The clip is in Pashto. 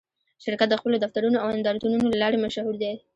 شرکت د خپلو دفترونو او نندارتونونو له لارې مشهور دی.